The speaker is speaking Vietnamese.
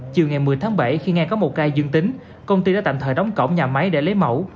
chiều ngày một mươi tháng bảy khi nghe có một ca dương tính công ty đã tạm thời đóng cổng nhà máy để lấy mẫu